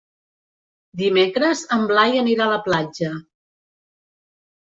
Dimecres en Blai anirà a la platja.